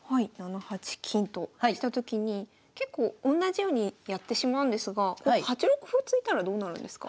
７八金としたときに結構おんなじようにやってしまうんですが８六歩を突いたらどうなるんですか？